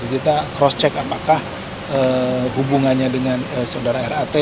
kita cross check apakah hubungannya dengan saudara rat